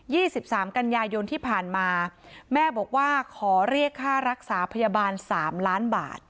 สิบสามกันยายนที่ผ่านมาแม่บอกว่าขอเรียกค่ารักษาพยาบาลสามล้านบาท